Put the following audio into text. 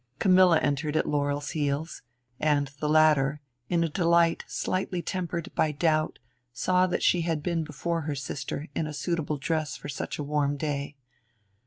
Camilla entered at Laurel's heels; and the latter, in a delight slightly tempered by doubt, saw that she had been before her sister in a suitable dress for such a warm day.